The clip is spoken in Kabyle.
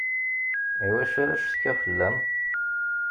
Iwacu ara ccetkiɣ fella-m?